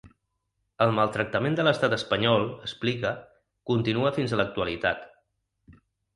El maltractament de l’estat espanyol, explica, continua fins a l’actualitat.